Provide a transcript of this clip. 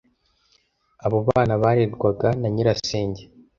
Abo bana barerwaga na nyirasenge.